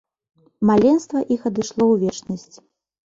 Маленства іх адышло ў вечнасць.